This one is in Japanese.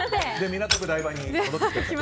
港区台場に戻ってきて。